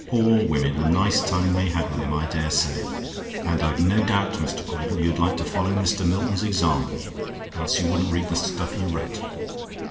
Poor women! A nice time they had with him, I dare say! And I've no doubt, Mr. Caudle, you'd like to follow Mr. Milton's example; else you wouldn't read the stuff he wrote.